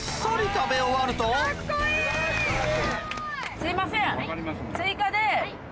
すいません。